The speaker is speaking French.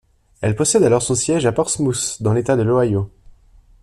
Elle possède alors son siège à Portsmouth dans l'état de l'Ohio.